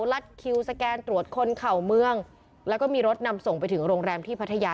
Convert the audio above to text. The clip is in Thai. ลัดคิวสแกนตรวจคนเข่าเมืองแล้วก็มีรถนำส่งไปถึงโรงแรมที่พัทยา